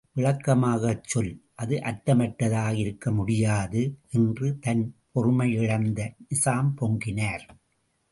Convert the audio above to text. விளக்கமாகக் சொல் அது அர்த்தமற்றதாக இருக்க முடியாது என்று தன் பொறுமையிழந்து நிசாம் பொங்கினார்.